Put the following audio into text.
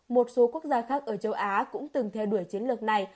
một số quốc gia khác ở châu á cũng từng theo đuổi chiến lược này